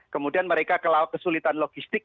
kemudian mereka kesulitan logistik